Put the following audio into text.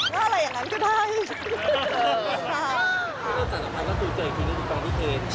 ว่าอะไรอย่างนั้นก็ได้